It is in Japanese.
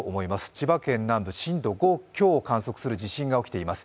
千葉県南部震度５強を観測する地震が起きています。